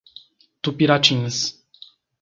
Tupiratins